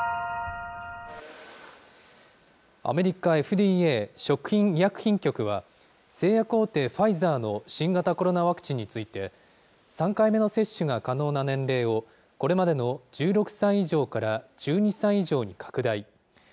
アメリカＦＤＡ・食品医薬品局は、製薬大手ファイザーの新型コロナワクチンについて、３回目の接種が可能な年齢を、これまでの１６歳以上から１２歳以上に拡大。